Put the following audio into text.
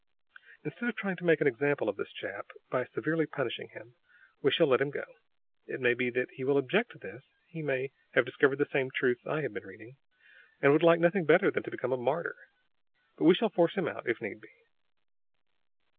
"Instead of trying to make an example of this chap, by severely punishing him, we shall let him go. It may be that he will object to this; he may have discovered the same truths I have been reading, and would like nothing better than to become a 'martyr.' But we shall force him out, if need be."